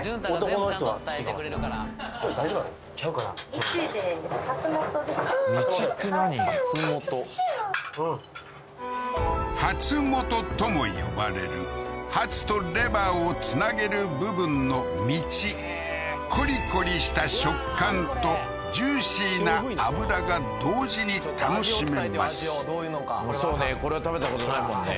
めっちゃ好きやハツモトとも呼ばれるハツとレバーをつなげる部分のみちコリコリした食感とジューシーな脂が同時に楽しめますそうね